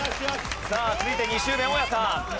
さあ続いて２周目大家さん。